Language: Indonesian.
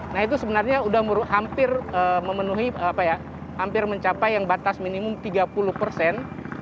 nah itu sebenarnya sudah hampir mencapai yang batas minimum tiga puluh persen